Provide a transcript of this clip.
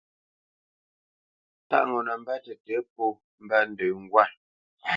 Tâʼ ŋo nə mbə́ tətə̌ pó mbə́ ndə ŋgwâ.